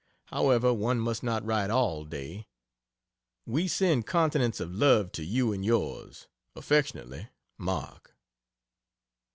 However one must not write all day. We send continents of love to you and yours. Affectionately MARK.